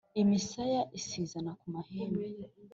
imisaya isizana ku mahembe.